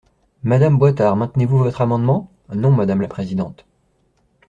Madame Boistard, maintenez-vous votre amendement ? Non, madame la présidente.